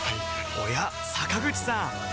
おや坂口さん